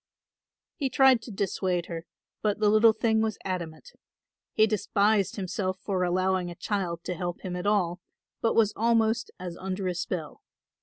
He tried to dissuade her, but the little thing was adamant. He despised himself for allowing a child to help him at all, but was almost as under a spell.